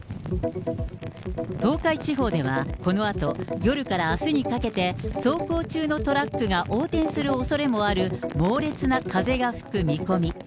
東海地方では、このあと夜からあすにかけて、走行中のトラックが横転するおそれもある猛烈な風が吹く見込み。